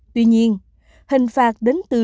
tuy nhiên hình phạt đến từ